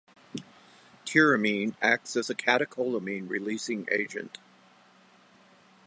Tyramine acts as a catecholamine releasing agent.